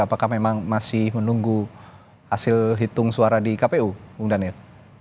apakah memang masih menunggu hasil hitung suara di kpu bung daniel